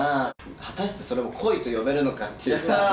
果たしてそれは恋と呼べるのかっていう。